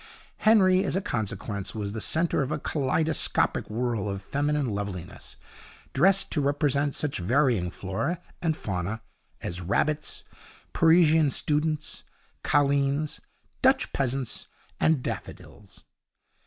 Henry, as a consequence, was the centre of a kaleidoscopic whirl of feminine loveliness, dressed to represent such varying flora and fauna as rabbits, Parisian students, colleens, Dutch peasants, and daffodils.